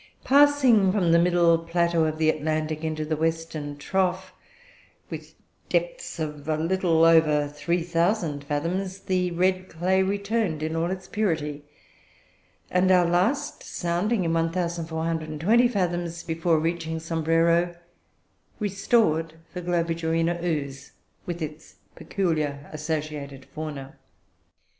Passing from the middle plateau of the Atlantic into the western trough, with depths a little over 3,000 fathoms, the red clay returned in all its purity; and our last sounding, in 1,420 fathoms, before reaching Sombrero, restored the Globigerina ooze with its peculiar associated fauna.